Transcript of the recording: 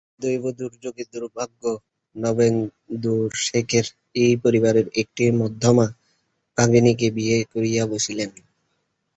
দৈবদুর্যোগে দুর্ভাগ্য নবেন্দুশেখর এই পরিবারের একটি মধ্যমা ভগিনীকে বিবাহ করিয়া বসিলেন।